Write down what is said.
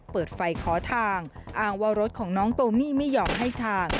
เปิดไฟขอทางอ้างว่ารถของน้องโตมี่ไม่ยอมให้ทาง